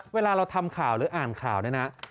เวลาเราทำข่าวหรืออ่านข่าวเนี่ยนะ